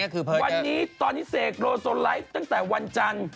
วันนี้ตอนนี้เสกโลโซนไลฟ์ตั้งแต่วันจันทร์